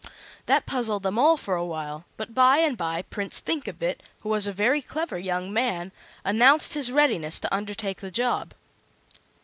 That puzzled them all for a while, but by and by Prince Thinkabit, who was a very clever young man, announced his readiness to undertake the job.